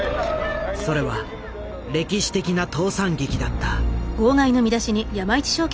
それは歴史的な倒産劇だった。